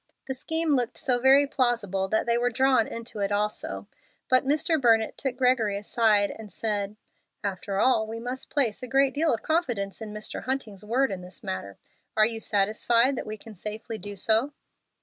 The scheme looked so very plausible that they were drawn into it also; but Mr. Burnett took Gregory aside and said: "After all, we must place a great deal of confidence in Mr. Hunting's word in this matter. Are you satisfied that we can safely do so?"